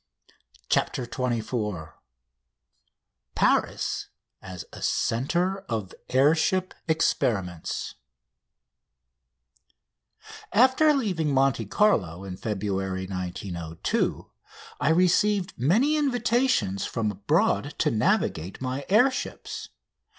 CHAPTER XXIV PARIS AS A CENTRE OF AIR SHIP EXPERIMENTS After leaving Monte Carlo, in February 1902, I received many invitations from abroad to navigate my air ships.